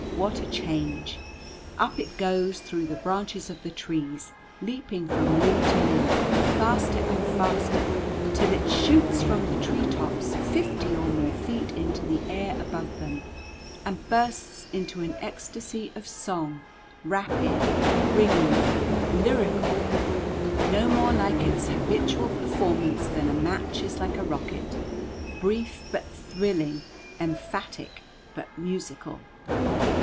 What a change! Up it goes through the branches of the trees, leaping from limb to limb, faster and faster, till it shoots from the tree tops fifty or more feet into the air above them, and bursts into an ecstasy of song, rapid, ringing, lyrical; no more like its habitual performance than a match is like a rocket; brief but thrilling; emphatic but musical.